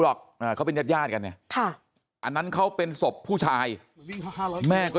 หรอกเขาเป็นญาติญาติกันเนี่ยอันนั้นเขาเป็นศพผู้ชายแม่ก็